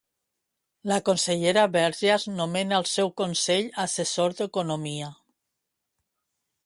La consellera Vergés nomena el seu Consell Assessor d'Economia.